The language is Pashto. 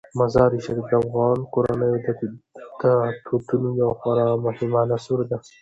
مزارشریف د افغان کورنیو د دودونو یو خورا مهم عنصر دی.